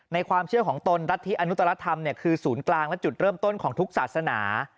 ความเชื่อของตนรัฐธิอนุตรธรรมคือศูนย์กลางและจุดเริ่มต้นของทุกศาสนา